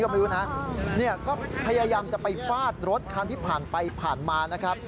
ก็ไม่รู้นะเนี่ยก็พยายามจะไปฟาดรถคันที่ผ่านไปผ่านมานะครับ